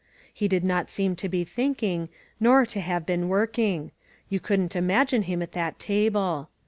He did not seem to be thinking, nor to have been working, — ^you couldn't imagine him at that table.